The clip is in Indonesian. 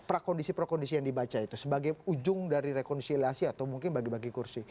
prakondisi prakondisi yang dibaca itu sebagai ujung dari rekonsiliasi atau mungkin bagi bagi kursi